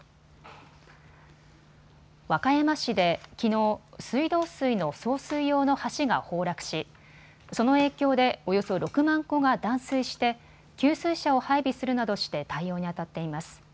和歌山市できのう、水道水の送水用の橋が崩落しその影響でおよそ６万戸が断水して給水車を配備するなどして対応にあたっています。